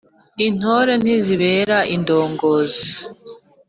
Intore nzibera indongozi.